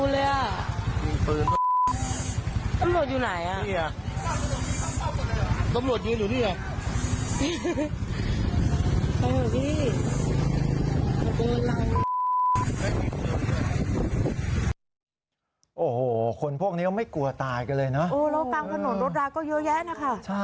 แล้วกลางถนนรถราก็เยอะแยะนะค่ะ